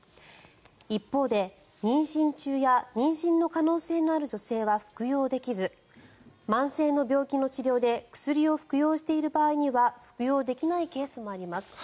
一方で、妊娠中や妊娠の可能性のある女性は服用できず慢性の病気の治療で薬を服用している場合には服用できないケースもあります。